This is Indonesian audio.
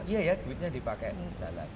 iya ya duitnya dipakai untuk jalan